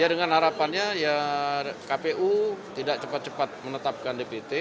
ya dengan harapannya ya kpu tidak cepat cepat menetapkan dpt